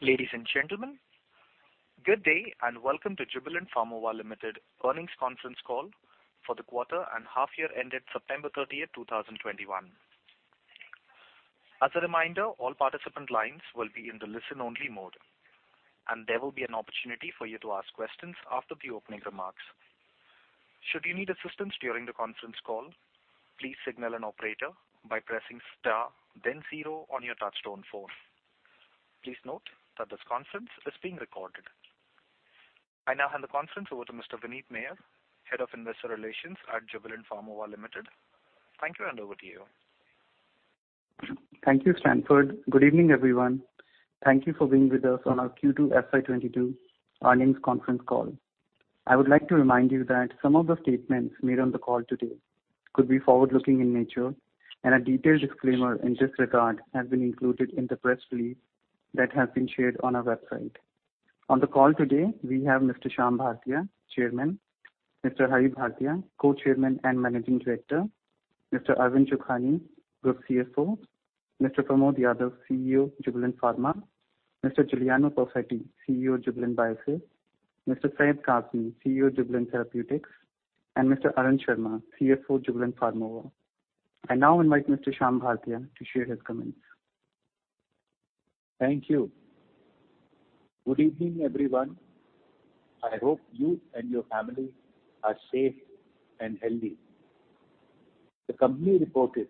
Ladies and gentlemen, good day and welcome to Jubilant Pharmova Limited earnings conference call for the quarter and half year ended September 30, 2021. I now hand the conference over to Mr. Vineet Mayer, Head of Investor Relations at Jubilant Pharmova Limited. Thank you, and over to you. Thank you, Stanford. Good evening, everyone. Thank you for being with us on our Q2 FY22 earnings conference call. I would like to remind you that some of the statements made on the call today could be forward-looking in nature, and a detailed disclaimer in this regard has been included in the press release that has been shared on our website. On the call today, we have Mr. Shyam Bhartia, Chairman. Mr. Hari Bhartia, Co-chairman and Managing Director. Mr. Arvind Chokhany, Group CFO. Mr. Pramod Yadav, CEO, Jubilant Pharma. Mr. Giuliano Perfetti, CEO, Jubilant Biosys. Mr. Syed Kazmi, CEO, Jubilant Therapeutics. Mr. Arun Sharma, CFO, Jubilant Pharmova. I now invite Mr. Shyam Bhartia to share his comments. Thank you. Good evening, everyone. I hope you and your family are safe and healthy. The company reported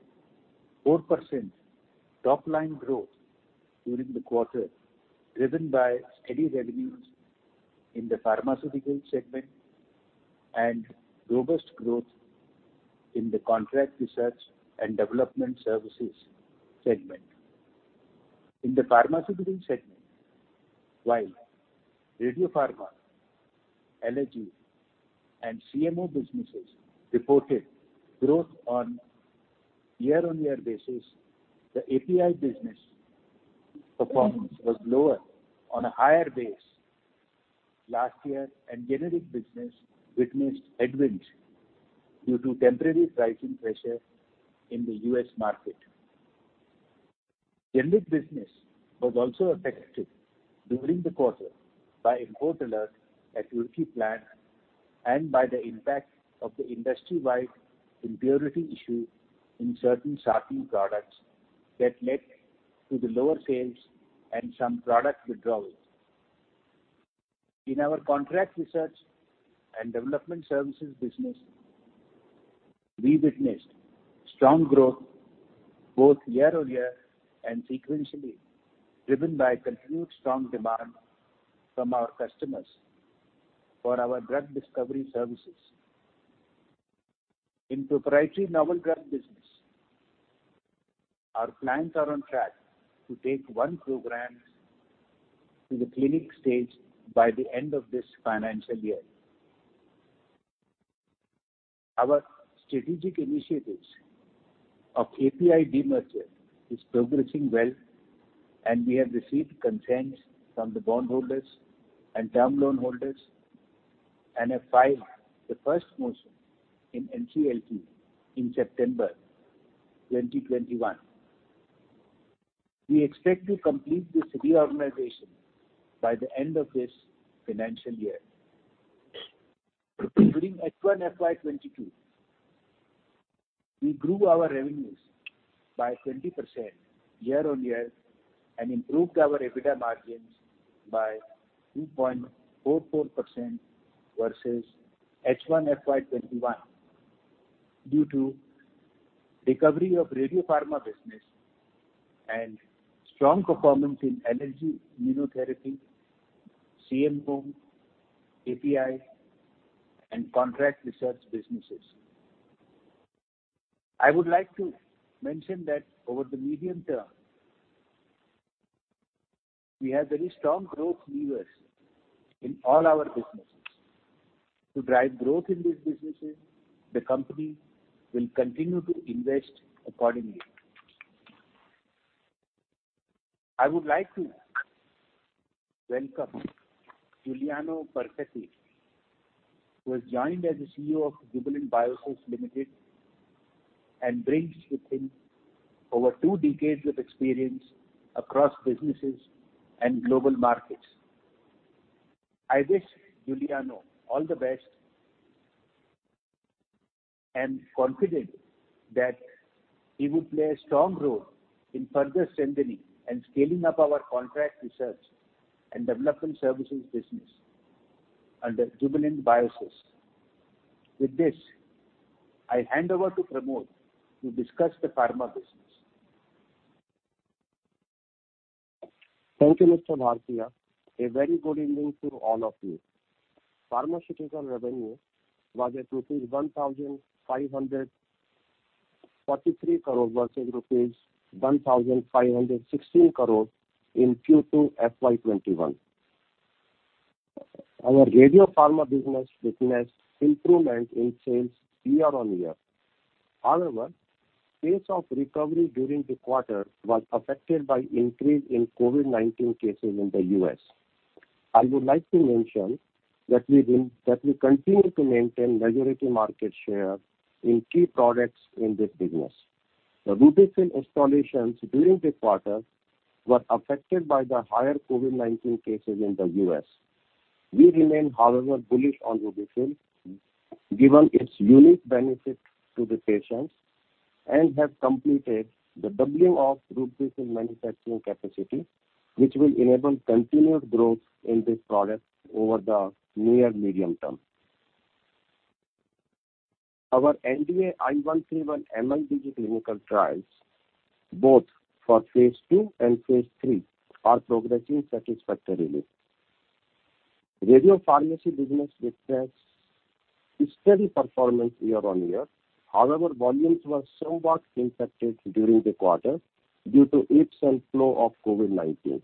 4% top-line growth during the quarter, driven by steady revenues in the pharmaceutical segment and robust growth in the contract research and development services segment. In the pharmaceutical segment, while radiopharma, allergy, and CMO businesses reported growth on a year-on-year basis, the API business performance was lower on a higher base last year, and generic business witnessed headwinds due to temporary pricing pressure in the U.S. market. Generic business was also affected during the quarter by import alert at Roorkee plant and by the impact of the industry-wide impurity issue in certain sartan products that led to the lower sales and some product withdrawals. In our contract research and development services business, we witnessed strong growth both year-over-year and sequentially, driven by continued strong demand from our customers for our drug discovery services. In proprietary novel drug business, our plans are on track to take 1 program to the clinic stage by the end of this financial year. Our strategic initiatives of API demerger is progressing well. We have received consent from the bondholders and term loan holders and have filed the first motion in NCLT in September 2021. We expect to complete this reorganization by the end of this financial year. During H1 FY22, we grew our revenues by 20% year-on-year and improved our EBITDA margins by 2.44% versus H1 FY21 due to recovery of radiopharma business and strong performance in allergy, immunotherapy, CMO, API, and contract research businesses. I would like to mention that over the medium term, we have very strong growth levers in all our businesses. To drive growth in these businesses, the company will continue to invest accordingly. I would like to welcome Giuliano Perfetti, who has joined as the CEO of Jubilant Biosys Limited and brings with him over two decades of experience across businesses and global markets. I wish Giuliano all the best and confident that he would play a strong role in further strengthening and scaling up our contract research and development services business under Jubilant Biosys. With this, I hand over to Pramod to discuss the pharma business. Thank you, Mr. Bhartia. A very good evening to all of you. Pharmaceutical revenue was at rupees 1,543 crore versus rupees 1,516 crore in Q2 FY2021. Our radiopharma business witnessed improvement in sales year on year. However, pace of recovery during the quarter was affected by increase in COVID-19 cases in the U.S. I would like to mention that we continue to maintain majority market share in key products in this business. The RUBY-FILL installations during this quarter were affected by the higher COVID-19 cases in the U.S. We remain, however, bullish on RUBY-FILL, given its unique benefit to the patients, and have completed the doubling of RUBY-FILL manufacturing capacity, which will enable continued growth in this product over the near medium term. Our NDA I-131 MIBG clinical trials, both for phase II and phase III, are progressing satisfactorily. Radiopharmacy business witnessed steady performance year on year. However, volumes were somewhat impacted during the quarter due to ebbs and flow of COVID-19.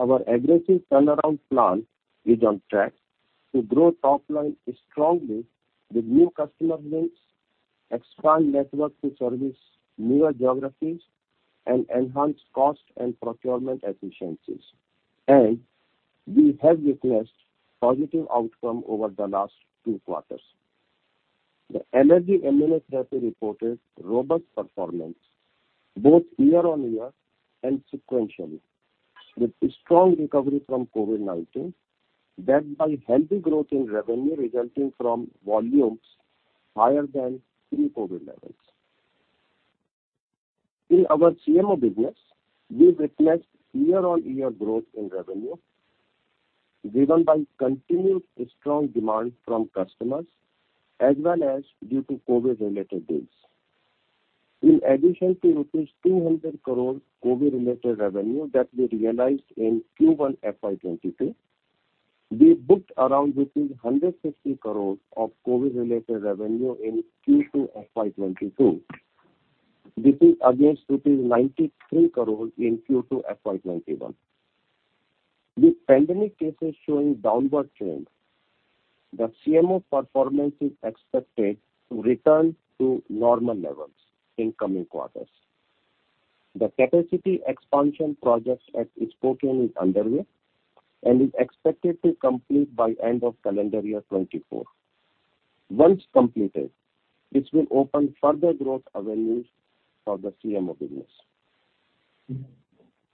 Our aggressive turnaround plan is on track to grow top line strongly with new customer wins, expand network to service newer geographies, and enhance cost and procurement efficiencies. We have witnessed positive outcome over the last two quarters. The Allergy & Immunotherapy reported robust performance both year-on-year and sequentially, with strong recovery from COVID-19, backed by healthy growth in revenue resulting from volumes higher than pre-COVID levels. In our CMO business, we witnessed year-on-year growth in revenue, driven by continued strong demand from customers as well as due to COVID-related deals. In addition to rupees 200 crore COVID-related revenue that we realized in Q1 FY 2022, we booked around 150 crore of COVID-related revenue in Q2 FY 2022. This is against rupees 93 crore in Q2 FY 2021. With pandemic cases showing downward trend, the CMO performance is expected to return to normal levels in coming quarters. The capacity expansion projects at Spokane is underway and is expected to complete by end of calendar year 2024. Once completed, this will open further growth avenues for the CMO business.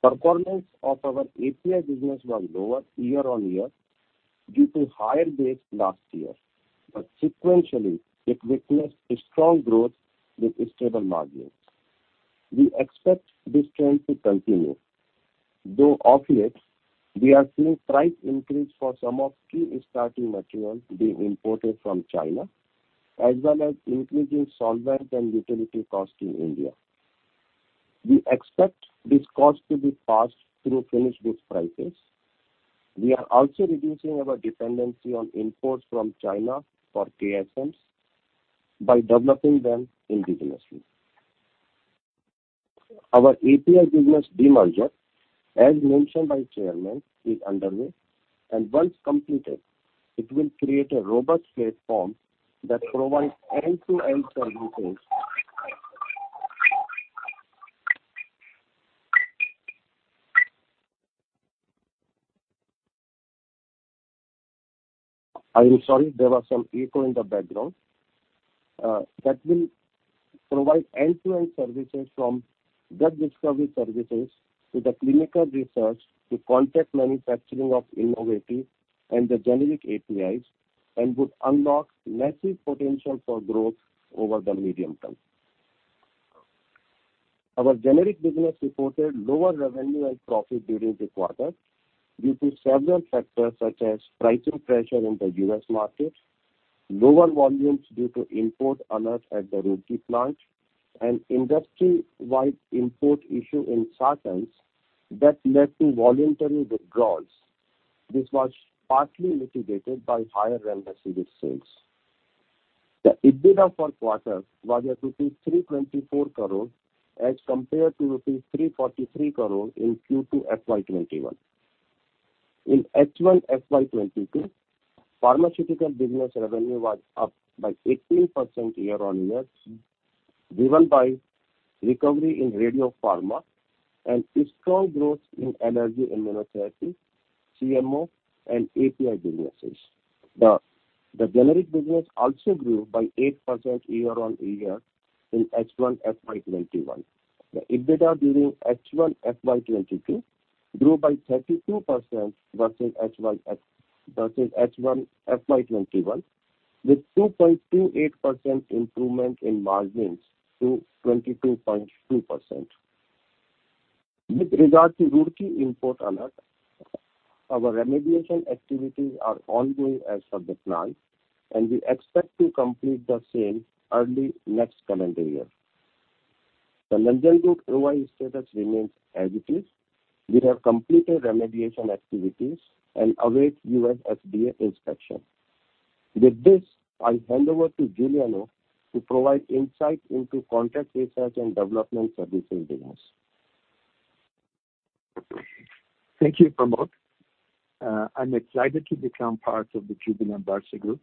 Performance of our API business was lower year-over-year due to higher base last year, but sequentially, it witnessed a strong growth with stable margins. We expect this trend to continue, though of late we are seeing price increase for some of key starting material being imported from China, as well as increasing solvent and utility cost in India. We expect this cost to be passed through finished goods prices. We are also reducing our dependency on imports from China for KSMs by developing them indigenously. Our API business demerger, as mentioned by Chairman, is underway, and once completed, it will create a robust platform that provides end-to-end services. I am sorry, there was some echo in the background. That will provide end-to-end services from drug discovery services to the clinical research to contract manufacturing of innovative and the generic APIs, and would unlock massive potential for growth over the medium term. Our generic business reported lower revenue and profit during this quarter due to several factors such as pricing pressure in the U.S. market, lower volumes due to import alert at the Roorkee plant, and industry-wide import issue in sartans that led to voluntary withdrawals. This was partly mitigated by higher remdesivir sales. The EBITDA for quarter was at rupees 324 crore as compared to rupees 343 crore in Q2 FY 2021. In H1 FY22, pharmaceutical business revenue was up by 18% year-on-year, driven by recovery in Radiopharma and strong growth in Allergy & Immunotherapy, CMO, and API businesses. The generic business also grew by 8% year-on-year in H1 FY21. The EBITDA during H1 FY22 grew by 32% versus H1 FY21, with 2.28% improvement in margins to 22.2%. With regard to Roorkee import alert, our remediation activities are ongoing as of this now, and we expect to complete the same early next calendar year. The Nanjangud OAI status remains as it is. We have completed remediation activities and await U.S. FDA inspection. With this, I'll hand over to Giuliano to provide insight into Contract Research & Development Services business. Thank you, Pramod. I'm excited to become part of the Jubilant Bhartia Group.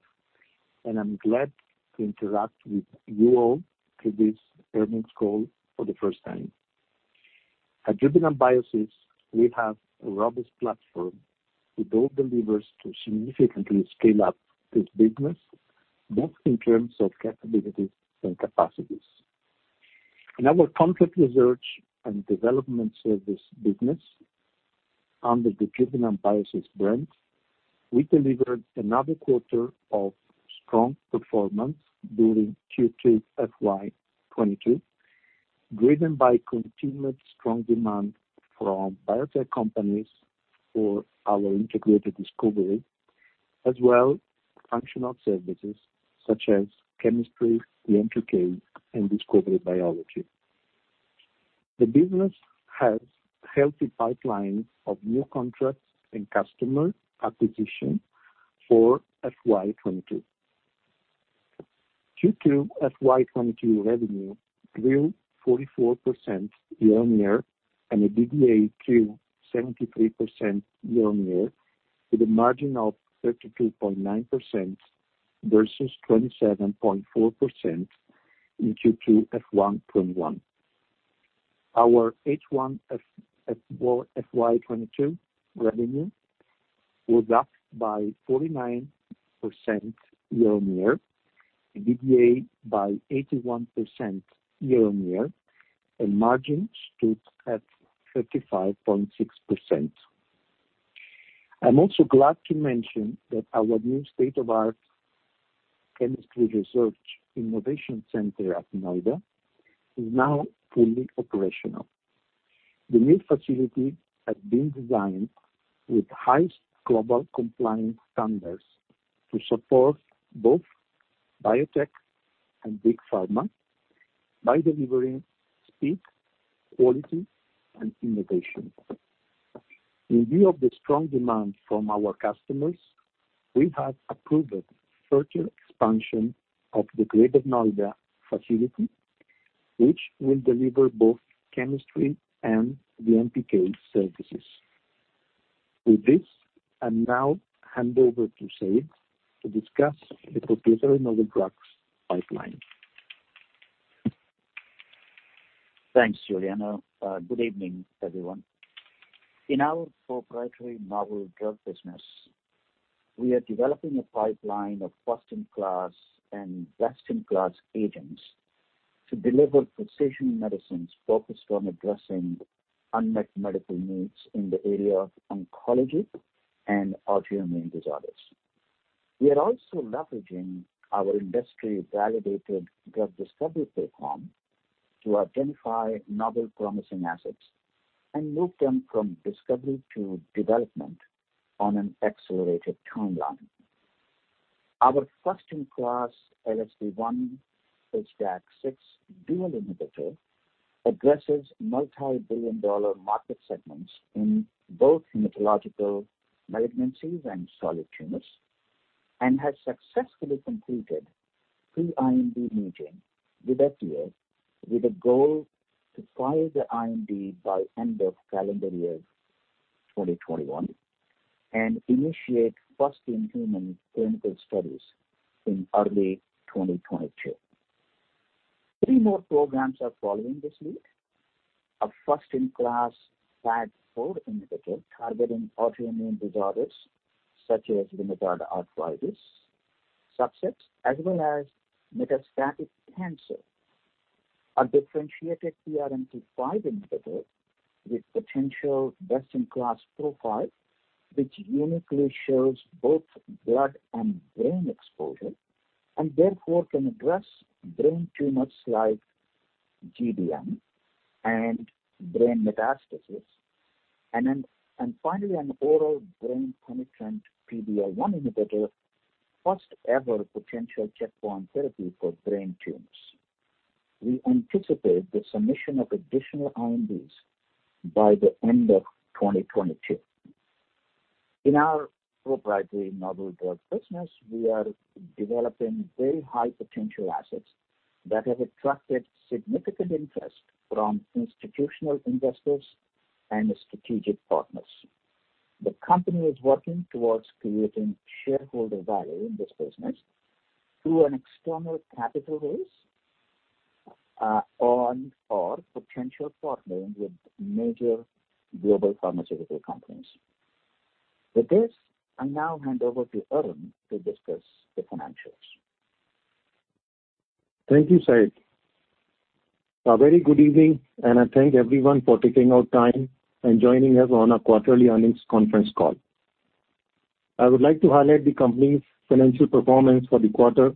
I'm glad to interact with you all through this earnings call for the first time. At Jubilant Biosys, we have a robust platform with both the levers to significantly scale up this business, both in terms of capabilities and capacities. In our contract research and development service business, under the Jubilant Biosys brand, we delivered another quarter of strong performance during Q2 FY 2022, driven by continued strong demand from biotech companies for our integrated discovery, as well functional services such as chemistry, DMPK, and discovery biology. The business has a healthy pipeline of new contracts and customer acquisition for FY 2022. Q2 FY 2022 revenue grew 44% year-on-year and EBITDA grew 73% year-on-year with a margin of 32.9% versus 27.4% in Q2 FY 2021. Our H1 FY22 revenue was up by 49% year-on-year, EBITDA by 81% year-on-year, and margin stood at 35.6%. I am also glad to mention that our new state-of-the-art chemistry research innovation center at Noida is now fully operational. The new facility has been designed with highest global compliance standards to support both biotech and big pharma by delivering speed, quality, and innovation. In view of the strong demand from our customers, we have approved further expansion of the Greater Noida facility, which will deliver both chemistry and the DMPK services. With this, I now hand over to Syed to discuss the proprietary novel drugs pipeline. Thanks, Giuliano. Good evening, everyone. In our proprietary novel drug business, we are developing a pipeline of first-in-class and best-in-class agents to deliver precision medicines focused on addressing unmet medical needs in the area of oncology and autoimmune disorders. We are also leveraging our industry-validated drug discovery platform to identify novel promising assets and move them from discovery to development on an accelerated timeline. Our first-in-class LSD1/HDAC6 dual inhibitor addresses multi-billion-dollar market segments in both hematological malignancies and solid tumors and has successfully completed pre-IND meeting with the FDA with a goal to file the IND by end of calendar year 2021 and initiate first-in-human clinical studies in early 2022. Three more programs are following this lead. A first-in-class HDAC4 inhibitor targeting autoimmune disorders such as rheumatoid arthritis subsets as well as metastatic cancer. A differentiated PRMT5 inhibitor with potential best-in-class profile, which uniquely shows both blood and brain exposure and therefore can address brain tumors like GBM and brain metastasis. Finally, an oral brain penetrant PD-L1 inhibitor, first ever potential checkpoint therapy for brain tumors. We anticipate the submission of additional INDs by the end of 2022. In our proprietary novel drug business, we are developing very high potential assets that have attracted significant interest from institutional investors and strategic partners. The company is working towards creating shareholder value in this business through an external capital raise, on or potential partnering with major global pharmaceutical companies. This, I now hand over to Arun to discuss the financials. Thank you, Syed. A very good evening, and I thank everyone for taking out time and joining us on our quarterly earnings conference call. I would like to highlight the company's financial performance for the quarter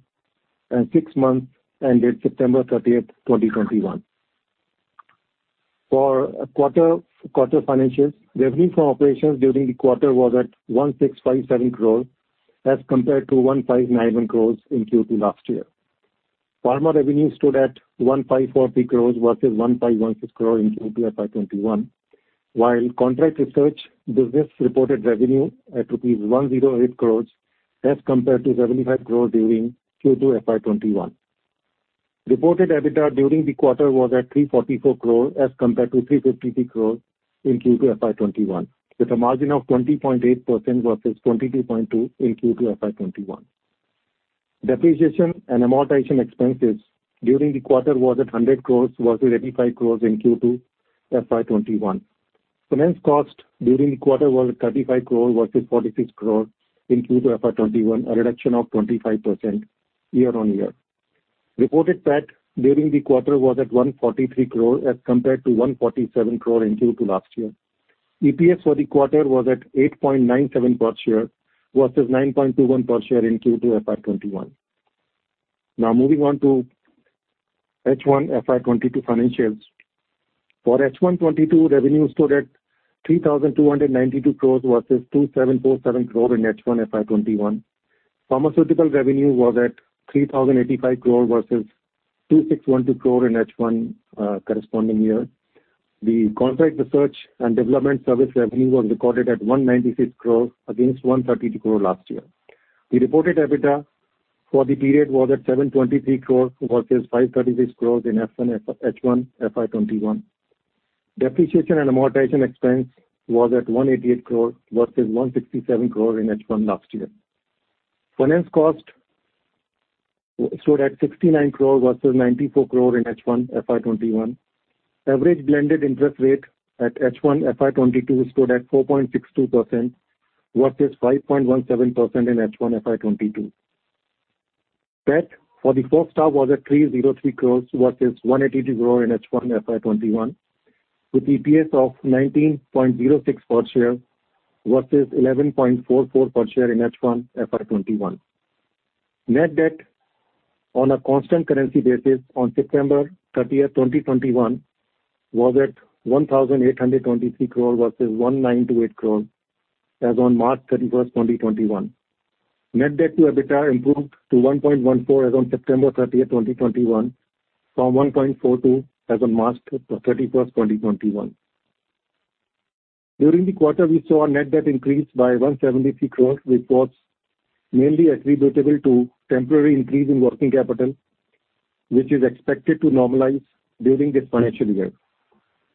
and six months ended September 30, 2021. For quarter financials, revenue from operations during the quarter was at 1,657 crore as compared to 1,591 crore in Q2 last year. Pharma revenue stood at 1,540 crore versus 1,516 crore in Q2 FY21. While contract research business reported revenue at INR 108 crore as compared to 75 crore during Q2 FY21. Reported EBITDA during the quarter was at 344 crore as compared to 353 crore in Q2 FY21, with a margin of 20.8% versus 22.2% in Q2 FY21. Depreciation and amortization expenses during the quarter was at 100 crore versus 85 crore in Q2 FY21. Finance cost during the quarter was 35 crore versus 46 crore in Q2 FY 2021, a reduction of 25% year-on-year. Reported PAT during the quarter was at 143 crore as compared to 147 crore in Q2 last year. EPS for the quarter was at 8.97 per share versus 9.21 per share in Q2 FY 2021. Now moving on to H1 FY 2022 financials. For H1 FY 2022, revenue stood at 3,292 crore versus 2,747 crore in H1 FY 2021. Pharmaceutical revenue was at 3,085 crore versus 2,612 crore in H1 corresponding year. The contract research and development service revenue was recorded at INR 196 crore against INR 132 crore last year. The reported EBITDA for the period was at INR 723 crore versus INR 536 crore in H1 FY 2021. Depreciation and amortization expense was at 188 crore versus 167 crore in H1 last year. Finance cost stood at 69 crore versus 94 crore in H1 FY 2021. Average blended interest rate at H1 FY2022 stood at 4.62% versus 5.17% in H1 FY2022. PAT for the quarter was at 303 crore versus 182 crore in H1 FY2021, with EPS of 19.06 per share versus 11.44 per share in H1 FY2021. Net debt on a constant currency basis on September 30, 2021, was at 1,823 crore versus 1,928 crore as on March 31, 2021. Net debt to EBITDA improved to 1.14 as on September 30, 2021, from 1.42 as on March 31, 2021. During the quarter, we saw our net debt increase by 173 crore, which was mainly attributable to temporary increase in working capital, which is expected to normalize during this financial year.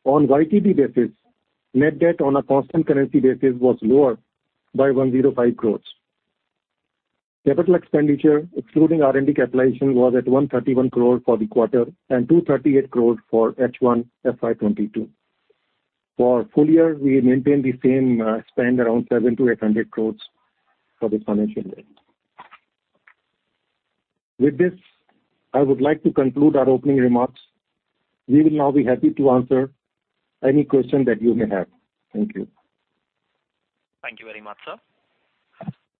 On YTD basis, net debt on a constant currency basis was lower by 105 crore. Capital expenditure, excluding R&D capitalization, was at 131 crore for the quarter and 238 crore for H1 FY2022. For full year, we maintain the same spend around 700-800 crore for this financial year. With this, I would like to conclude our opening remarks. We will now be happy to answer any question that you may have. Thank you. Thank you very much, sir.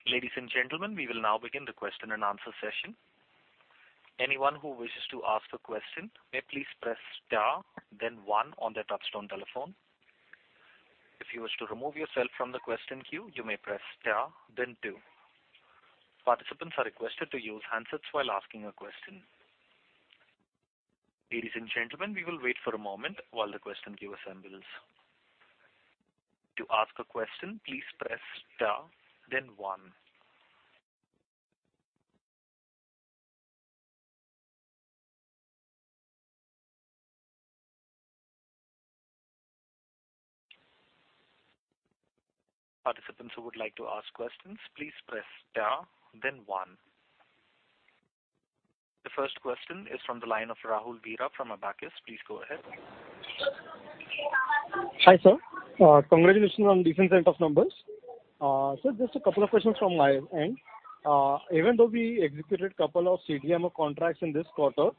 Ladies and gentlemen, we will now begin the question and answer session. Ladies and gentlemen, we will wait for a moment while the question queue assembles. The first question is from the line of Rahul Veera from Abakkus. Please go ahead. Hi, sir. Congratulations on decent set of numbers. Sir, just a couple of questions from my end. Even though we executed couple of CDMO contracts in this quarter,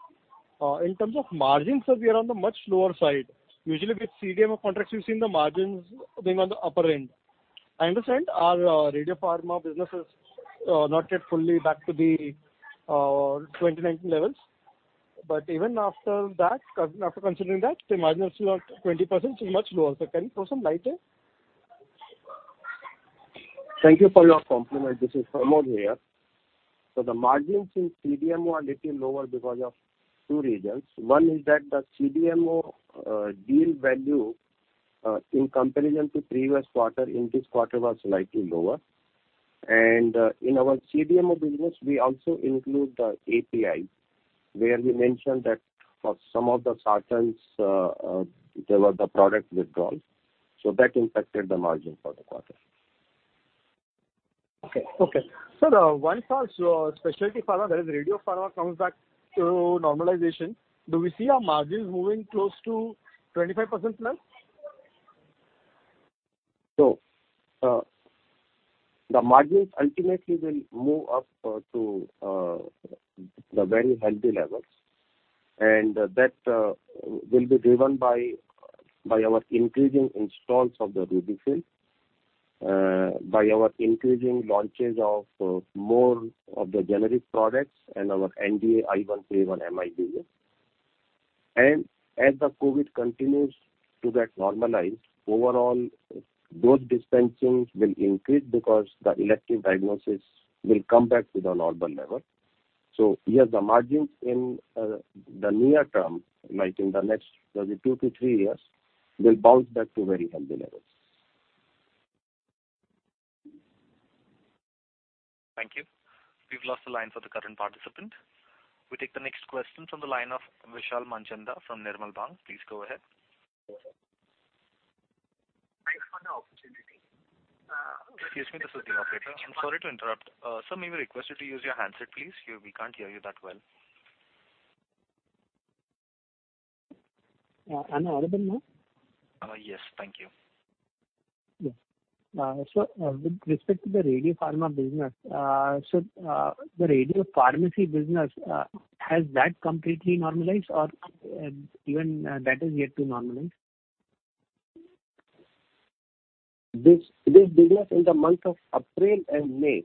in terms of margins, sir, we are on the much lower side. Usually, with CDMO contracts, we've seen the margins being on the upper end. I understand our Radiopharma business is not yet fully back to the 2019 levels, but even after considering that, the margins are still at 20%, so much lower. Can you throw some light there? Thank you for your compliment. This is Pramod here. The margins in CDMO are little lower because of two reasons. One is that the CDMO deal value, in comparison to previous quarter, in this quarter was slightly lower. In our CDMO business, we also include the API, where we mentioned that for some of the sartans, there were the product withdrawals, so that impacted the margin for the quarter. Okay. Sir, once your specialty pharma, that is Radiopharma, comes back to normalization, do we see our margins moving close to 25% plus? The margins ultimately will move up to the very healthy levels, and that will be driven by our increasing installs of the RUBY-FILL, by our increasing launches of more of the generic products and our NDA I-131 MIBG business. As the COVID continues to get normalized, overall those dispensings will increase because the elective diagnosis will come back to the normal level. Yes, the margins in the near term, like in the next maybe 2 to 3 years, will bounce back to very healthy levels. Thank you. We've lost the line for the current participant. We take the next question from the line of Vishal Manchanda from Nirmal Bang. Please go ahead. Thanks for the opportunity. Excuse me, this is the operator. I'm sorry to interrupt. Sir, may we request you to use your handset, please? We can't hear you that well. I'm audible now? Yes. Thank you. Yes. Sir, with respect to the radiopharma business, sir, the radiopharmacy business, has that completely normalized or even that is yet to normalize? This business in the month of April and May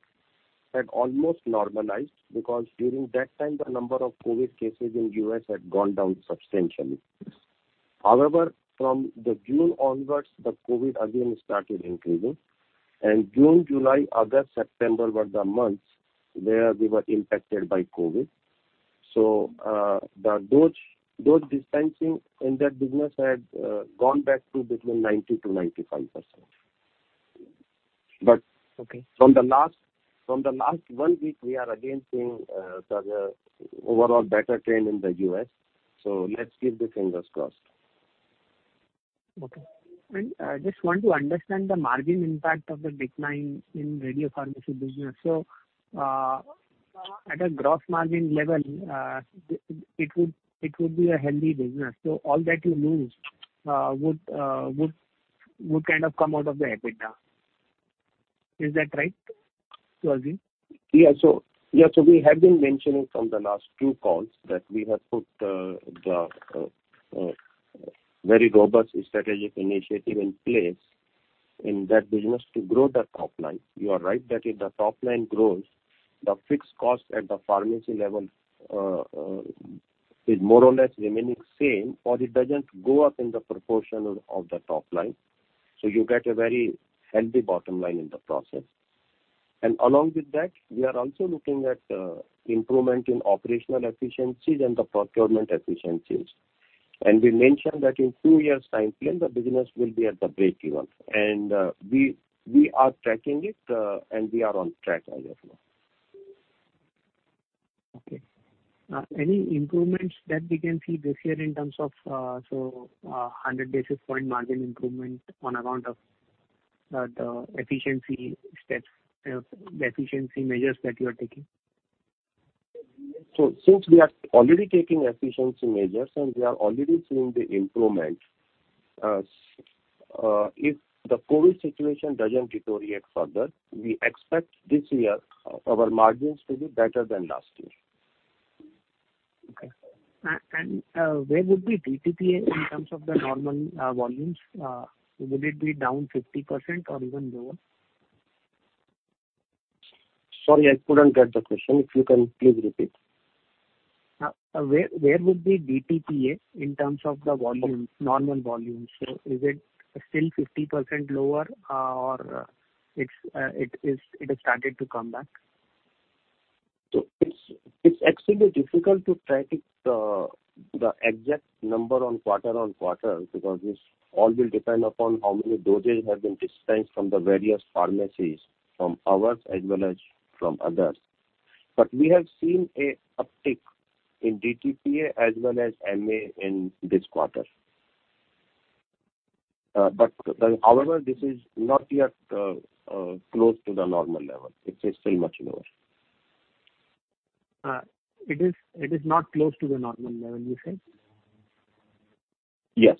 had almost normalized because during that time, the number of COVID cases in the U.S. had gone down substantially. However, from June onwards, the COVID again started increasing, and June, July, August, September were the months where we were impacted by COVID. Those dispensing in that business had gone back to between 90%-95%. Okay from the last one week, we are again seeing the overall better trend in the U.S., so let's keep the fingers crossed. Okay. I just want to understand the margin impact of the decline in radiopharmacy business. At a gross margin level, it would be a healthy business. All that you lose would kind of come out of the EBITDA. Is that right to assume? Yeah. We have been mentioning from the last two calls that we have put the very robust strategic initiative in place in that business to grow the top line. You are right that if the top line grows, the fixed cost at the pharmacy level is more or less remaining same, or it doesn't go up in the proportion of the top line. You get a very healthy bottom line in the process. Along with that, we are also looking at improvement in operational efficiencies and the procurement efficiencies. We mentioned that in two years' time frame, the business will be at the breakeven. We are tracking it, and we are on track as of now. Okay. Any improvements that we can see this year in terms of 100 basis point margin improvement on account of the efficiency measures that you are taking? Since we are already taking efficiency measures, and we are already seeing the improvement, if the COVID situation doesn't deteriorate further, we expect this year our margins to be better than last year. Okay. Where would be DTPA in terms of the normal volumes? Will it be down 50% or even lower? Sorry, I couldn't get the question. If you can please repeat. Where would be DTPA in terms of the normal volumes? Is it still 50% lower or it has started to come back? It's actually difficult to track it, the exact number on quarter-on-quarter, because this all will depend upon how many dosage have been dispensed from the various pharmacies, from ours as well as from others. We have seen an uptick in DTPA as well as MAA in this quarter. However, this is not yet close to the normal level. It is still much lower. It is not close to the normal level, you say? Yes.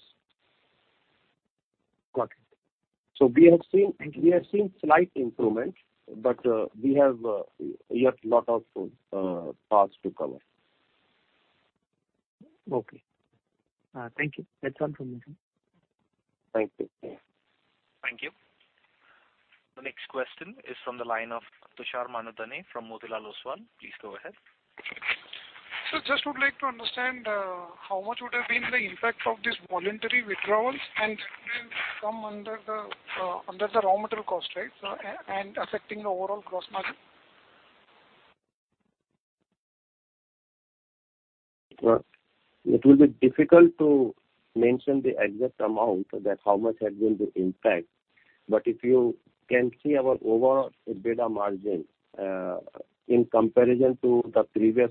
Got it. We have seen slight improvement, but we have yet lot of paths to cover. Okay. Thank you. That's all from me, sir. Thank you. Thank you. The next question is from the line of Tushar Manudhane from Motilal Oswal. Please go ahead. Sir, just would like to understand how much would have been the impact of these voluntary withdrawals and that will come under the raw material cost, right, affecting the overall gross margin? It will be difficult to mention the exact amount that how much has been the impact. If you can see our overall EBITDA margin, in comparison to the previous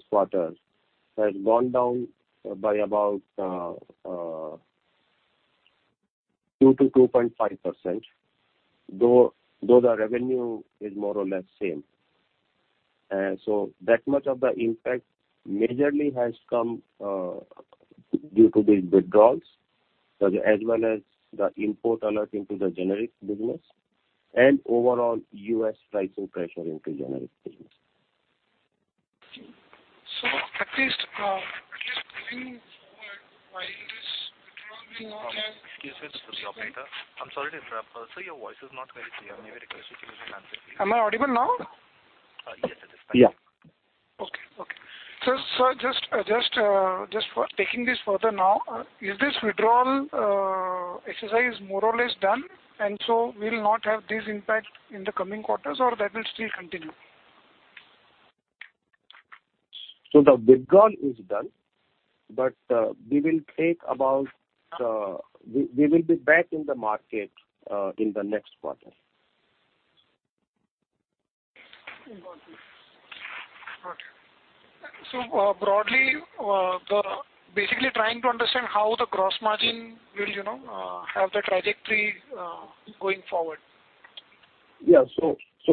quarter, has gone down by about 2% to 2.5%, though the revenue is more or less same. That much of the impact majorly has come due to these withdrawals, as well as the import alert into the generics business and overall U.S. pricing pressure into generic business. At least can you forward why this withdrawal being looked at? Excuse me, this is the operator. I am sorry to interrupt. Sir, your voice is not very clear. May we request you to use your handset, please? Am I audible now? Yes, it is better. Yeah. Okay. Just taking this further now, is this withdrawal exercise more or less done, and so will not have this impact in the coming quarters or that will still continue? The big goal is done, but we will be back in the market in the next quarter. Okay. Broadly, basically trying to understand how the gross margin will have the trajectory going forward. Yeah.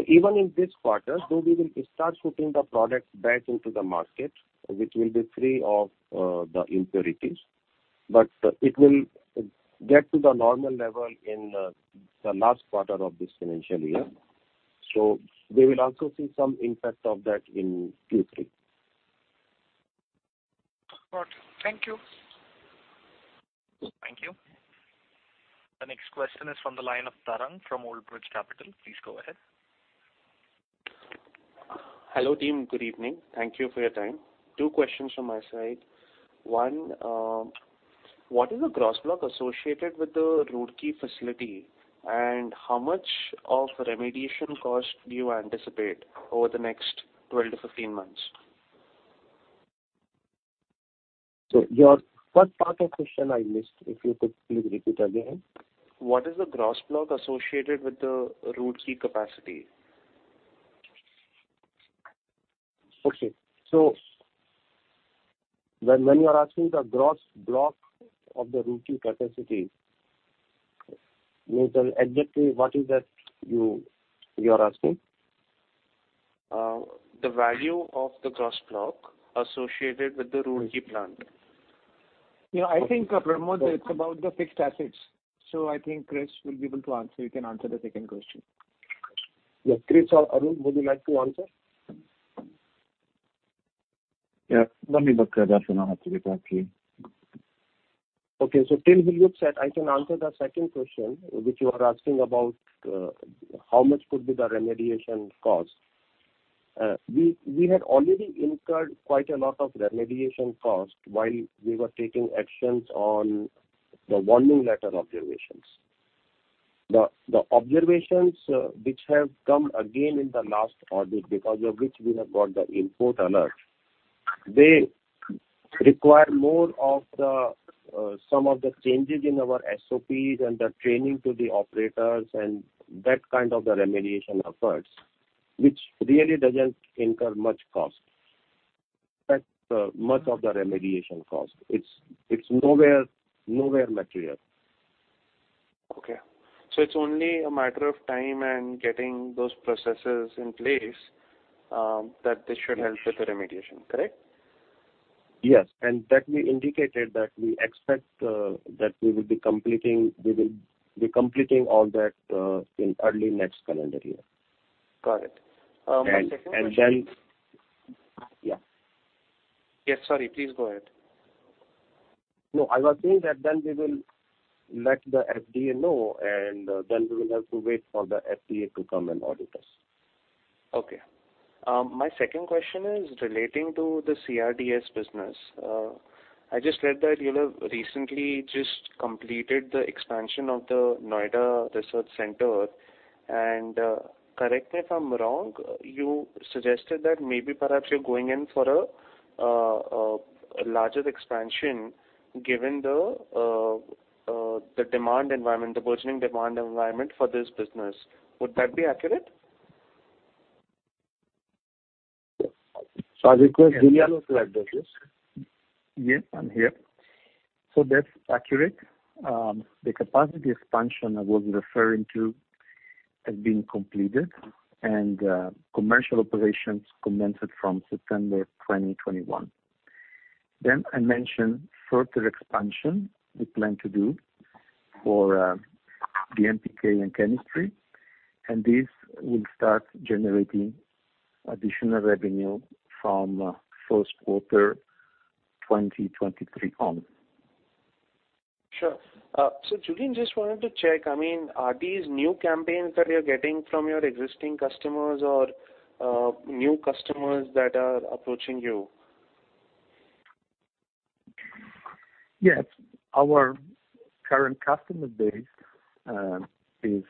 Even in this quarter, though we will start putting the product back into the market, which will be free of the impurities. It will get to the normal level in the last quarter of this financial year. We will also see some impact of that in Q3. Got you. Thank you. Thank you. The next question is from the line of Tarang from Old Bridge Capital. Please go ahead. Hello, team. Good evening. Thank you for your time. Two questions from my side. One, what is the gross block associated with the Roorkee facility, and how much of remediation cost do you anticipate over the next 12 to 15 months? Your first part of question I missed. If you could please repeat again. What is the gross block associated with the Roorkee capacity? Okay. When you are asking the gross block of the Roorkee capacity, Nitin, exactly what is that you're asking? The value of the gross block associated with the Roorkee plant. I think, Pramod Yadav, it's about the fixed assets. I think Chris Preti will be able to answer. You can answer the second question. Yeah, Chris or Arun, would you like to answer? Yeah. Let me look at that and I'll have to get back to you. Okay. Till he looks at, I can answer the second question, which you are asking about how much could be the remediation cost. We had already incurred quite a lot of remediation cost while we were taking actions on the warning letter observations. The observations which have come again in the last audit, because of which we have got the import alert, they require more of some of the changes in our SOPs and the training to the operators and that kind of the remediation efforts, which really doesn't incur much cost. That's much of the remediation cost. It's nowhere material. Okay. It's only a matter of time and getting those processes in place that this should help with the remediation, correct? Yes. That we indicated that we expect that we will be completing all that in early next calendar year. Got it. My second question. Yeah. Yeah, sorry. Please go ahead. No, I was saying that then we will let the FDA know, and then we will have to wait for the FDA to come and audit us. Okay. My second question is relating to the CRDS business. I just read that you have recently just completed the expansion of the Noida Research Center. Correct me if I'm wrong, you suggested that maybe perhaps you're going in for a larger expansion given the burgeoning demand environment for this business. Would that be accurate? I request Giuliano to address this. Yes, I'm here. That's accurate. The capacity expansion I was referring to has been completed, and commercial operations commenced from September 2021. I mentioned further expansion we plan to do for the DMPK and chemistry, and this will start generating additional revenue from first quarter 2023 on. Sure. Giulio, just wanted to check, are these new campaigns that you're getting from your existing customers or new customers that are approaching you? Yes. Our current customer base is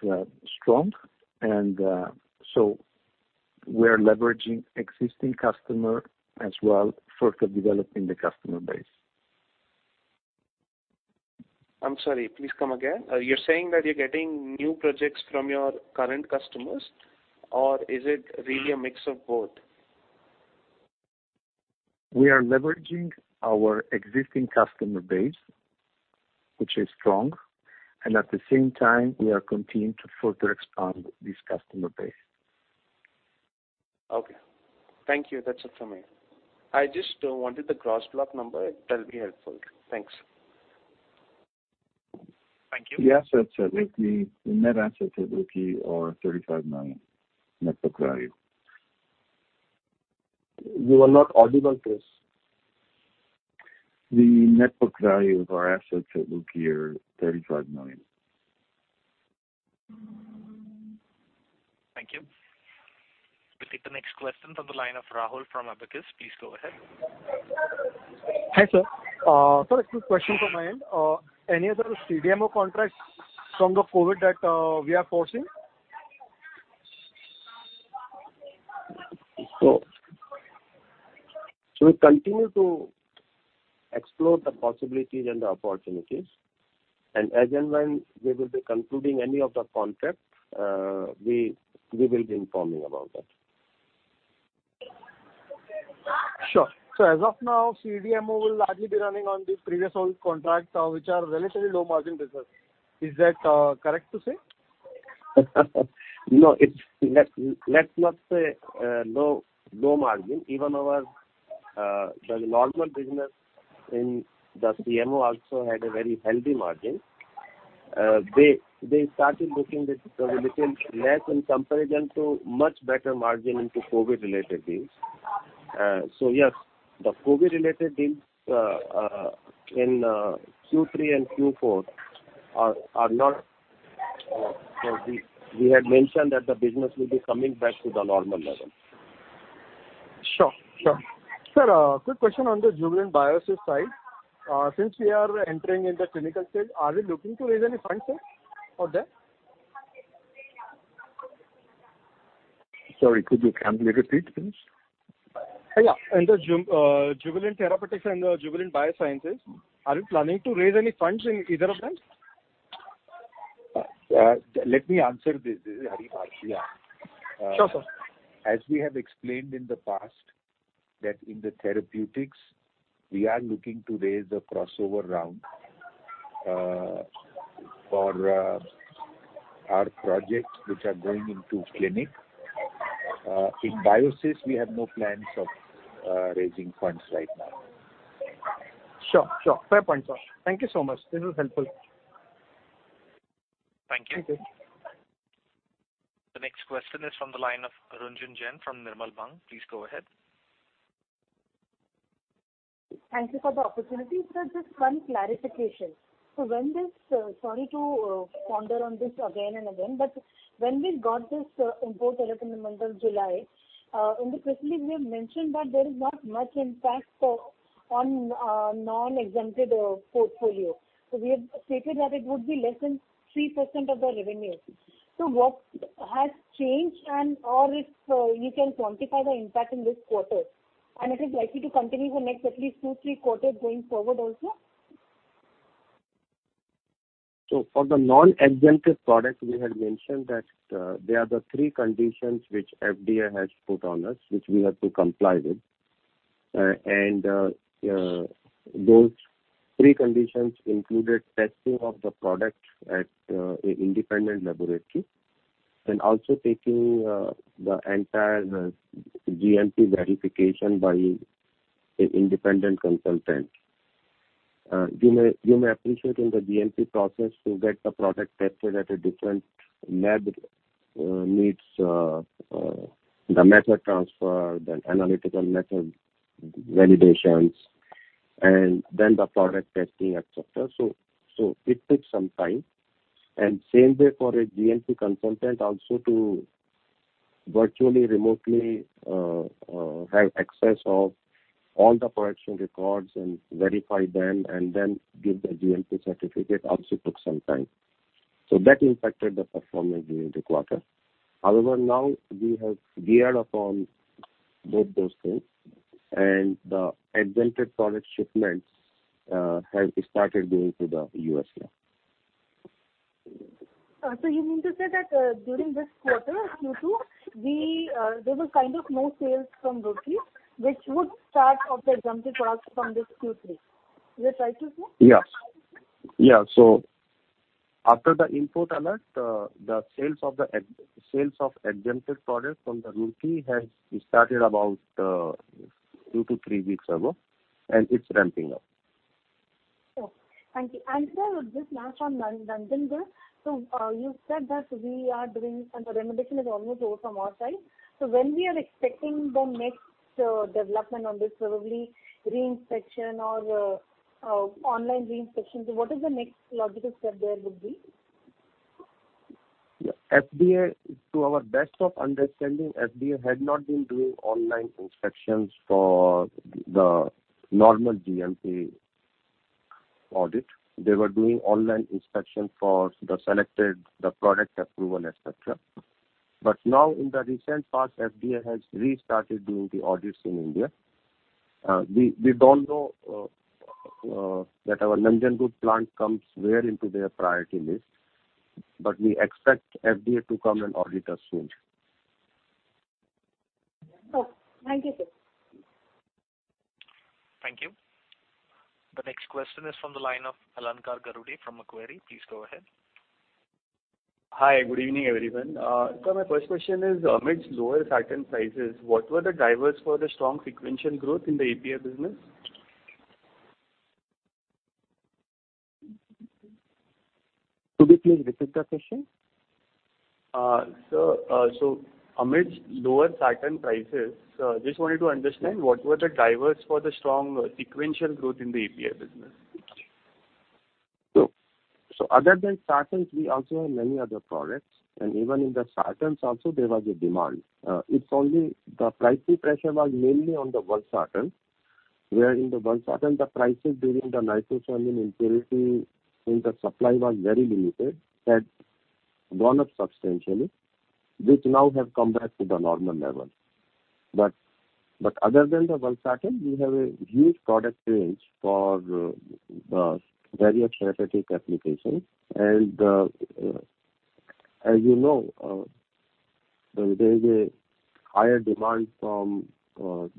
strong, and so we're leveraging existing customer as well, further developing the customer base. I'm sorry. Please come again. You're saying that you're getting new projects from your current customers, or is it really a mix of both? We are leveraging our existing customer base, which is strong, and at the same time, we are continuing to further expand this customer base. Okay. Thank you. That's it from me. I just wanted the gross block number. That'll be helpful. Thanks. Thank you. The net assets at Roorkee are $35 million net book value. You are not audible, Chris. The net book value of our assets at Roorkee are $35 million. Thank you. We'll take the next question on the line of Rahul from Abakkus. Please go ahead. Hi, sir. Sir, a quick question from my end. Any other CDMO contracts from the COVID that we are foresee? We continue to explore the possibilities and the opportunities, and as and when we will be concluding any of the contracts, we will be informing about that. Sure. As of now, CDMO will largely be running on the previous old contracts, which are relatively low margin business. Is that correct to say? No. Let's not say low margin. Even our normal business in the CMO also had a very healthy margin. They started looking little less in comparison to much better margin into COVID-related deals. Yes, the COVID-related deals in Q3 and Q4 are not So we had mentioned that the business will be coming back to the normal level. Sure. Sir, quick question on the Jubilant Biosys side. Since we are entering in the clinical stage, are we looking to raise any funds, sir, for that? Sorry, could you kindly repeat, please? Yeah. In the Jubilant Therapeutics and the Jubilant Biosys, are you planning to raise any funds in either of them? Let me answer this. This is Hari Bhartia. Sure, sir. As we have explained in the past that in the therapeutics, we are looking to raise a crossover round for our projects which are going into clinic. In Biosys, we have no plans of raising funds right now. Sure. Fair point, sir. Thank you so much. This was helpful. Thank you. Okay. The next question is from the line of Ranjhun Jain from Nirmal Bang. Please go ahead. Thank you for the opportunity, sir. Just one clarification. Sorry to ponder on this again and again, but when we got this import alert in the month of July, in the press release we have mentioned that there is not much impact on non-exempted portfolio. We have stated that it would be less than 3% of the revenue. What has changed? If you can quantify the impact in this quarter, and it is likely to continue for next at least two, three quarters going forward also? For the non-exempted products, we had mentioned that there are the three conditions which FDA has put on us, which we have to comply with. Those three conditions included testing of the product at an independent laboratory and also taking the entire GMP verification by an independent consultant. You may appreciate in the GMP process to get the product tested at a different lab needs the method transfer, then analytical method validations, and then the product testing, et cetera. It takes some time. Same way for a GMP consultant also to virtually remotely have access of all the production records and verify them and then give the GMP certificate also took some time. That impacted the performance during the quarter. However, now we have geared up on both those things, and the exempted product shipments have started going to the U.S. now. You mean to say that during this quarter, Q2, there were kind of no sales from Roorkee, which would start of the exempted products from this Q3. Is that right to say? Yes. After the import alert, the sales of exempted products from the Roorkee has started about two to three weeks ago, and it's ramping up. Sure. Thank you. Sir, just last one on Nanjangud. You said that we are doing and the remediation is almost over from our side. When we are expecting the next development on this, probably re-inspection or online re-inspection. What is the next logical step there would be? To our best of understanding, FDA had not been doing online inspections for the normal GMP audit. They were doing online inspection for the selected product approval, et cetera. Now in the recent past, FDA has restarted doing the audits in India. We don't know that our Nanjangud plant comes where into their priority list, we expect FDA to come and audit us soon. Sure. Thank you, sir. Thank you. The next question is from the line of Alankar Garude from Macquarie. Please go ahead. Hi. Good evening, everyone. Sir, my first question is, amidst lower sartan prices, what were the drivers for the strong sequential growth in the API business? Could you please repeat the question? Sir, amidst lower sartan prices, just wanted to understand, what were the drivers for the strong sequential growth in the API business? Other than sartans, we also have many other products, and even in the sartans also, there was a demand. The pricing pressure was mainly on the 1 sartan. Where in the valsartan, the prices during the N-nitrosodimethylamine impurity in the supply was very limited, had gone up substantially, which now have come back to the normal level. Other than the valsartan, we have a huge product range for the various therapeutic applications. As you know, there is a higher demand from the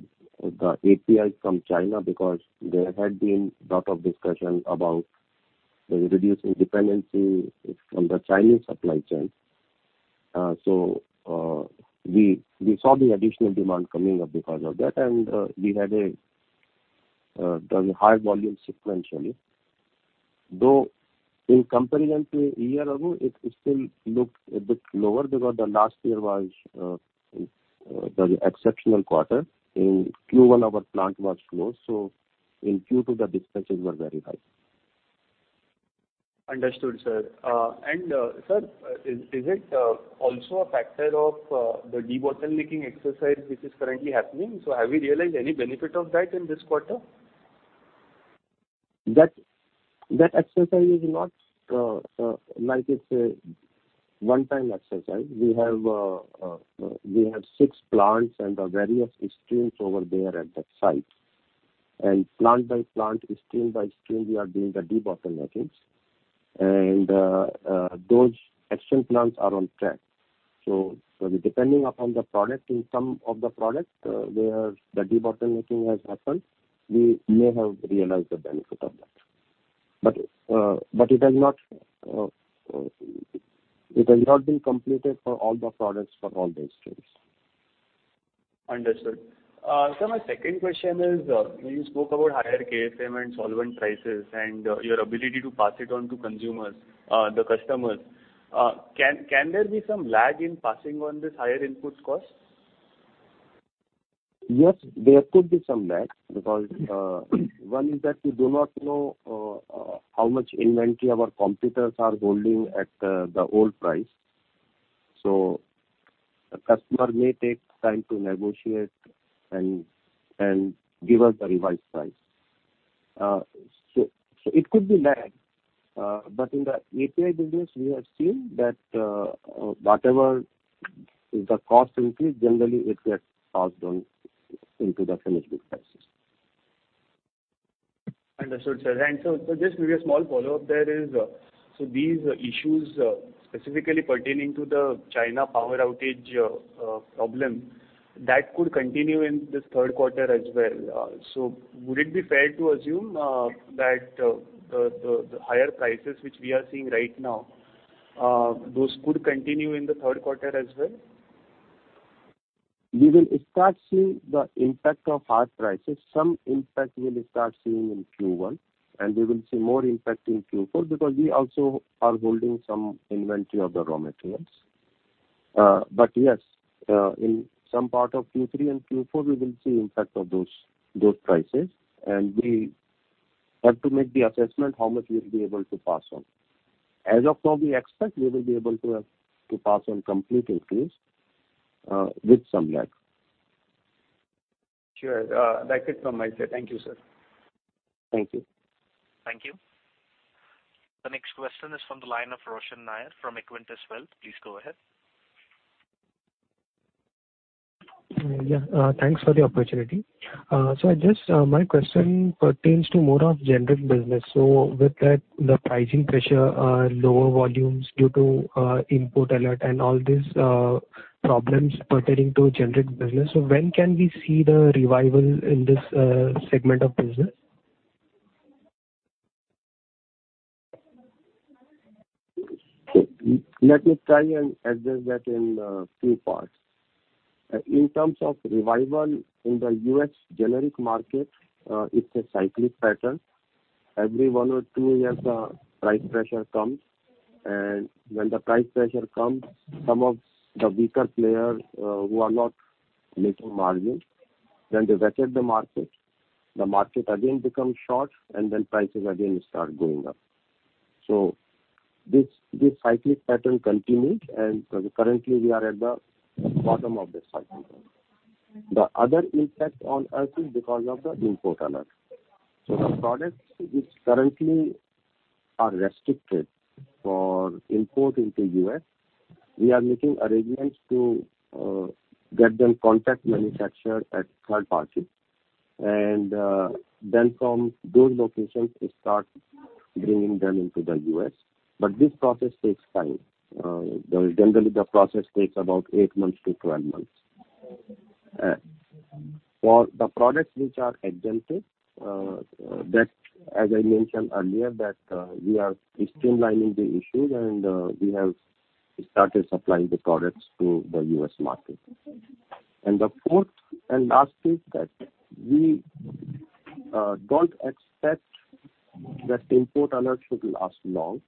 APIs from China because there had been lot of discussion about reducing dependency from the Chinese supply chain. We saw the additional demand coming up because of that, and we had a high volume sequentially. Though in comparison to a year ago, it still looks a bit lower because the last year was the exceptional quarter. In Q1, our plant was closed, so in Q2, the dispatches were very high. Understood, sir. Sir, is it also a factor of the debottlenecking exercise which is currently happening? Have we realized any benefit of that in this quarter? That exercise is not like it's a one-time exercise. We have six plants and various streams over there at that site. Plant by plant, stream by stream, we are doing the debottlenecking. Those action plans are on track. Depending upon the product, in some of the products, where the debottlenecking has happened, we may have realized the benefit of that. It has not been completed for all the products for all the streams. Understood. Sir, my second question is, you spoke about higher KSM and solvent prices and your ability to pass it on to consumers, the customers. Can there be some lag in passing on this higher input cost? Yes, there could be some lag because one is that we do not know how much inventory our competitors are holding at the old price. The customer may take time to negotiate and give us the revised price. It could be lag. In the API business, we have seen that whatever the cost increase, generally it gets passed on into the finished good prices. Understood, sir. Sir, just maybe a small follow-up there is, these issues specifically pertaining to the China power outage problem, that could continue in this third quarter as well. Would it be fair to assume that the higher prices which we are seeing right now, those could continue in the third quarter as well? We will start seeing the impact of higher prices. Some impact we will start seeing in Q1, and we will see more impact in Q4 because we also are holding some inventory of the raw materials. Yes, in some part of Q3 and Q4, we will see impact of those prices, and we have to make the assessment how much we'll be able to pass on. As of now, we expect we will be able to pass on complete increase with some lag. Sure. That's it from my side. Thank you, sir. Thank you. Thank you. The next question is from the line of Roshan Nair from Equirus Wealth. Please go ahead. Yeah. Thanks for the opportunity. My question pertains to more of generic business. With that, the pricing pressure, lower volumes due to import alert and all these problems pertaining to generic business. When can we see the revival in this segment of business? Let me try and address that in two parts. In terms of revival in the U.S. generic market, it's a cyclic pattern. Every 1 or 2 years, the price pressure comes, and when the price pressure comes, some of the weaker players who are not making margin, then they vacate the market. The market again becomes short, and then prices again start going up. This cyclic pattern continues, and currently we are at the bottom of this cycle. The other impact on us is because of the import alert. The products which currently are restricted for import into U.S., we are making arrangements to get them contract manufactured at third party. From those locations, we start bringing them into the U.S. This process takes time. Generally, the process takes about 8 months to 12 months. For the products which are exempted, that, as I mentioned earlier, that we are streamlining the issues and we have started supplying the products to the U.S. market. The fourth and last is that we don't expect that import alert should last long.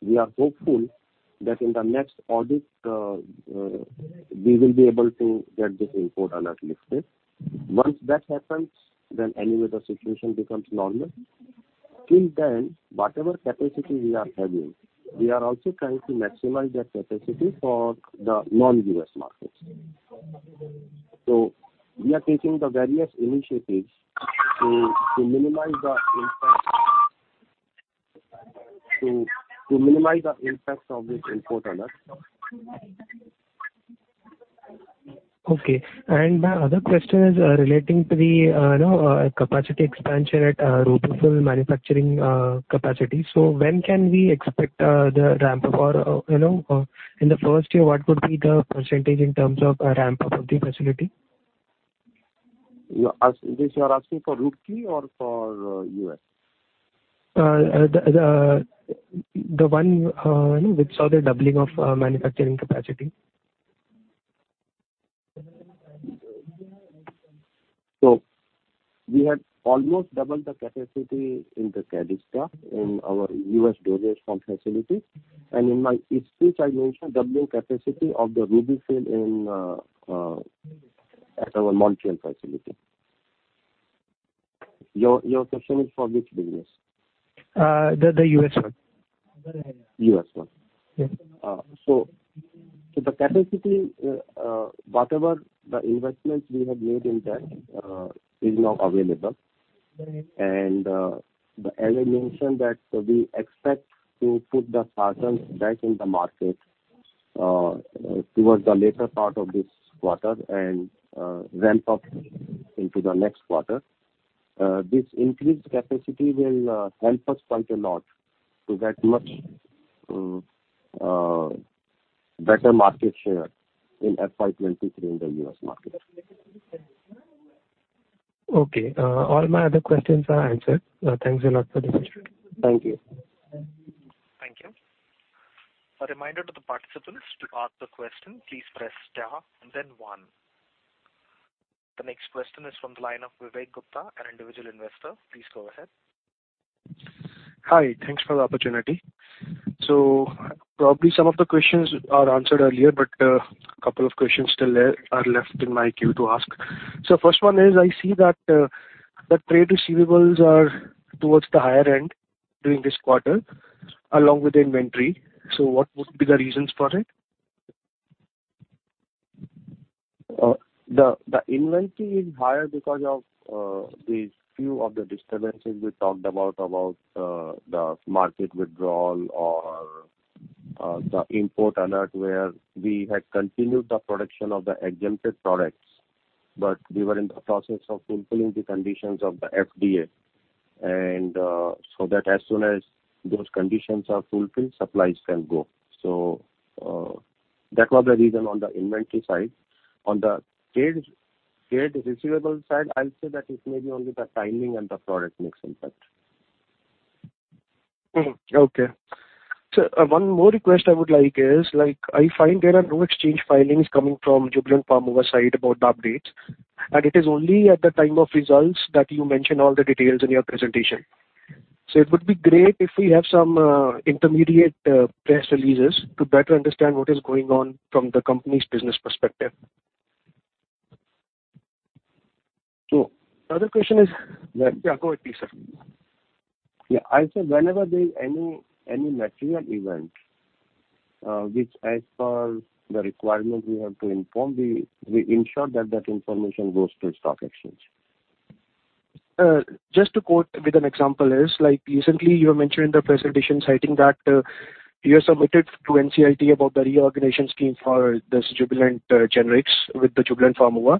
We are hopeful that in the next audit, we will be able to get this import alert lifted. Once that happens, then anyway the situation becomes normal. In turn, whatever capacity we are having, we are also trying to maximize that capacity for the non-U.S. markets. We are taking the various initiatives to minimize the impact of this import alert. Okay. My other question is relating to the capacity expansion at RUBY-FILL manufacturing capacity. When can we expect the ramp-up? In the first year, what would be the percentage in terms of ramp-up of the facility? This you are asking for Roorkee or for U.S.? The one which saw the doubling of manufacturing capacity. We had almost doubled the capacity in the Cadista in our U.S. dosage form facility, and in my speech I mentioned doubling capacity of the RUBY-FILL at our Montreal facility. Your question is for which business? The U.S. one. U.S. one. Yes. The capacity, whatever the investments we have made in that, is now available. As I mentioned that we expect to put the product back in the market towards the later part of this quarter and ramp up into the next quarter. This increased capacity will help us quite a lot to get much better market share in FY 2023 in the U.S. market. Okay. All my other questions are answered. Thanks a lot for the session. Thank you. Thank you. A reminder to the participants to ask the question, please press star and then one. The next question is from the line of Vivek Gupta, an individual investor. Please go ahead. Hi. Thanks for the opportunity. Probably some of the questions are answered earlier, but a couple of questions still are left in my queue to ask. First one is, I see that the trade receivables are towards the higher end during this quarter along with the inventory. What would be the reasons for it? The inventory is higher because of these few of the disturbances we talked about the market withdrawal or the import alert, where we had continued the production of the exempted products, but we were in the process of fulfilling the conditions of the FDA. That as soon as those conditions are fulfilled, supplies can go. That was the reason on the inventory side. On the trade receivable side, I'll say that it may be only the timing and the product mix impact. Okay. One more request I would like is, I find there are no exchange filings coming from Jubilant Pharmova side about the updates, and it is only at the time of results that you mention all the details in your presentation. It would be great if we have some intermediate press releases to better understand what is going on from the company's business perspective. The other question is Yeah, go with me, sir. Yeah. I said whenever there's any material event, which as per the requirement we have to inform, we ensure that that information goes to the stock exchange. Just to quote with an example is, recently you mentioned in the presentation citing that you submitted to NCLT about the reorganization scheme for this Jubilant Generics with the Jubilant Pharmova.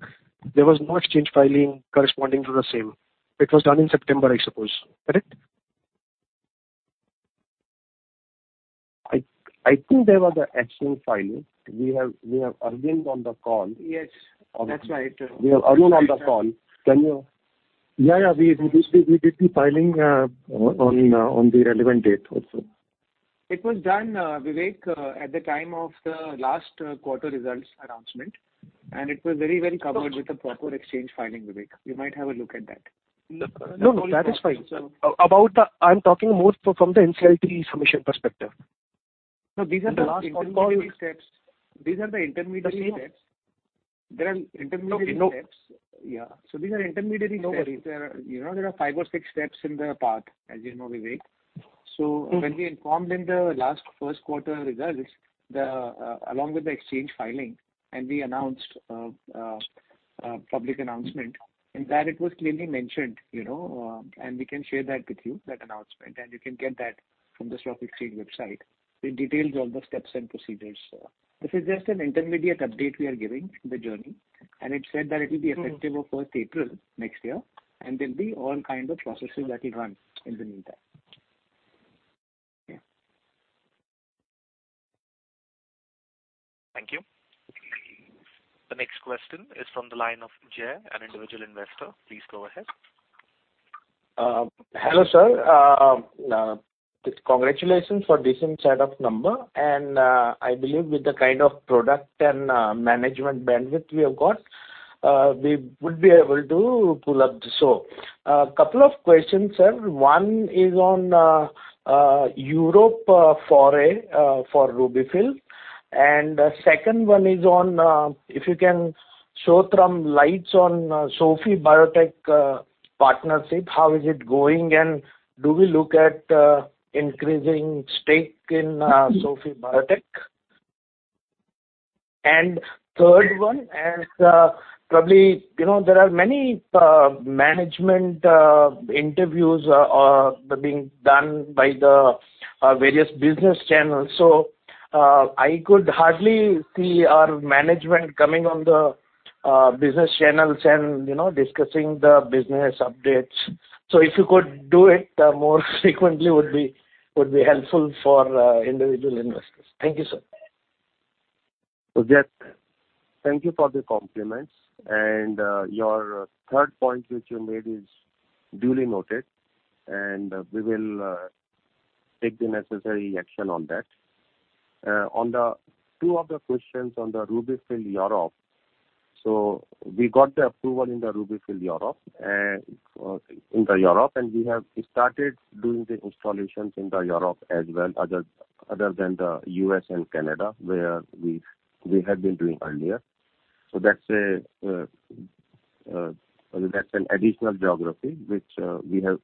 There was no exchange filing corresponding to the same. It was done in September, I suppose. Correct? I think there was an exchange filing. We have Arvind on the call. Yes, that's right. We have Arvind on the call. Can you Yeah. We did the filing on the relevant date also. It was done, Vivek, at the time of the last quarter results announcement. It was very covered with the proper exchange filing, Vivek. You might have a look at that. No, that is fine. I'm talking more from the NCLT submission perspective. No, these are the intermediary steps. The last call- These are the intermediary steps. The same- There are intermediary steps. No. Yeah. These are intermediary steps. No worries. When we informed in the last first quarter results along with the exchange filing, and we announced a public announcement, in that it was clearly mentioned, and we can share that with you, that announcement, and you can get that from the stock exchange website. It details all the steps and procedures. This is just an intermediate update we are giving the journey, and it said that it will be effective of 1st April next year, and there'll be all kind of processes that will run in the meantime. Yeah. Thank you. The next question is from the line of Jai, an individual investor. Please go ahead. Hello, sir. Congratulations for decent set of numbers. I believe with the kind of product and management bandwidth we have got, we would be able to pull up. A couple of questions, sir. One is on Europe foray for RUBY-FILL. Second one is on, if you can show some lights on SOFIE Biosciences partnership, how is it going, and do we look at increasing stake in SOFIE Biosciences? Third one, probably there are many management interviews are being done by the various business channels. I could hardly see our management coming on the business channels and discussing the business updates. If you could do it more frequently, would be helpful for individual investors. Thank you, sir. Sujit, thank you for the compliments. Your third point, which you made, is duly noted, and we will take the necessary action on that. On the two other questions on the RUBY-FILL Europe. We got the approval in the RUBY-FILL Europe, and we have started doing the installations in the Europe as well, other than the U.S. and Canada, where we had been doing earlier. That's an additional geography, which we have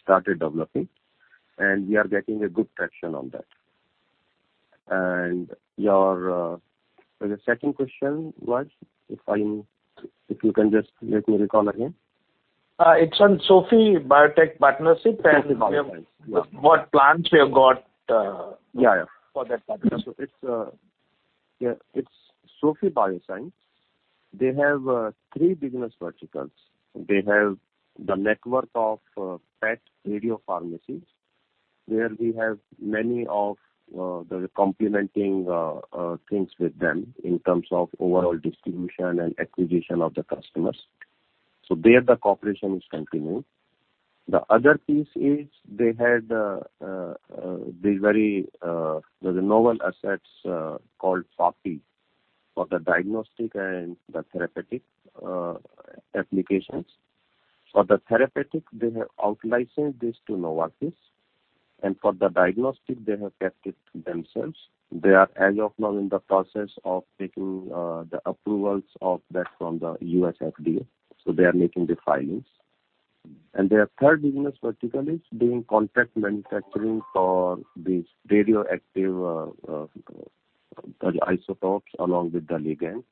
started developing, and we are getting a good traction on that. Your second question was, if you can just let me recall again. It's on SOFIE Biosciences partnership and- SOFIE Biosciences, yes. what plans we have got? Yeah for that partnership. It's SOFIE Biosciences. They have 3 business verticals. They have the network of PET radiopharmacies, where we have many of the complementing things with them in terms of overall distribution and acquisition of the customers. There, the cooperation is continuing. The other piece is they had the novel assets called SOFIE for the diagnostic and the therapeutic applications. For the therapeutic, they have out-licensed this to Novartis, for the diagnostic, they have kept it to themselves. They are, as of now, in the process of taking the approvals of that from the U.S. FDA, they are making the filings. Their 3rd business vertical is doing contract manufacturing for these radioactive isotopes along with the ligand.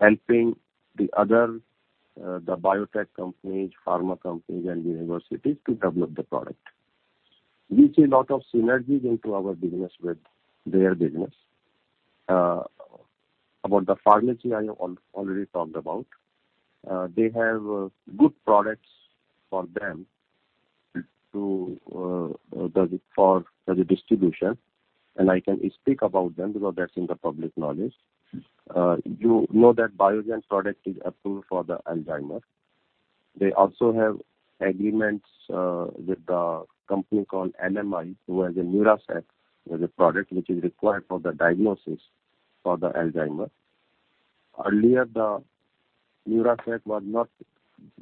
Helping the other biotech companies, pharma companies, and universities to develop the product. We see lot of synergies into our business with their business. About the pharmacy, I have already talked about. They have good products for them for the distribution, and I can speak about them because that's in the public knowledge. You know that Biogen product is approved for the Alzheimer's. They also have agreements with a company called Life Molecular Imaging, who has a Neuraceq, a product which is required for the diagnosis for the Alzheimer's. Earlier, the Neuraceq was not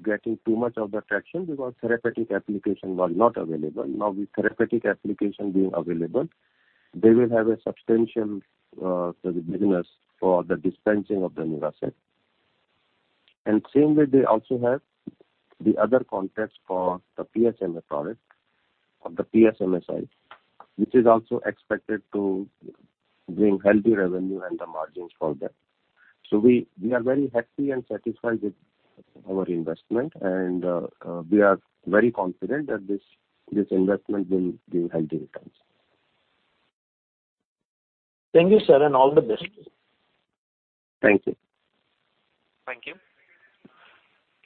getting too much of the traction because therapeutic application was not available. Now, with therapeutic application being available, they will have a substantial business for the dispensing of the Neuraceq. Same way, they also have the other contracts for the PSMA product or the PSMA Si, which is also expected to bring healthy revenue and the margins for that. We are very happy and satisfied with our investment, and we are very confident that this investment will give healthy returns. Thank you, sir, and all the best. Thank you. Thank you.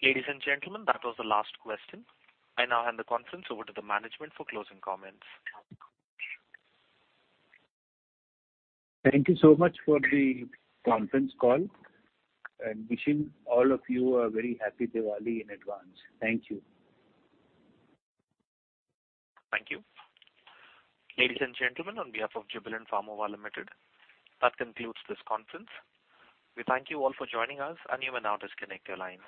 Ladies and gentlemen, that was the last question. I now hand the conference over to the management for closing comments. Thank you so much for the conference call, and wishing all of you a very happy Diwali in advance. Thank you. Thank you. Ladies and gentlemen, on behalf of Jubilant Pharmova Limited, that concludes this conference. We thank you all for joining us, and you may now disconnect your line.